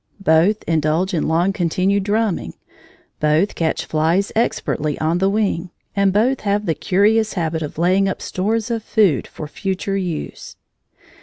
Both indulge in long continued drumming; both catch flies expertly on the wing; and both have the curious habit of laying up stores of food for future use.